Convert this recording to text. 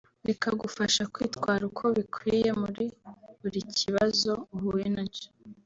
bikagufasha kwitwara uko bikwiye muri buri kibazo uhuye nacyo